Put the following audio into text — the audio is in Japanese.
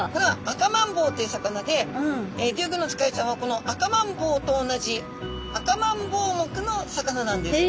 アカマンボウという魚でリュウグウノツカイちゃんはこのアカマンボウと同じアカマンボウ目の魚なんです。